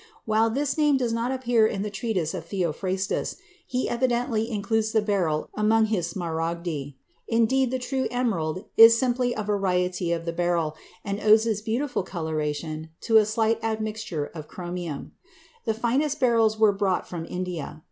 While this name does not appear in the treatise of Theophrastus, he evidently includes the beryl among his smaragdi; indeed, the true emerald is simply a variety of the beryl, and owes its beautiful coloration to a slight admixture of chromium. The finest beryls were brought from India.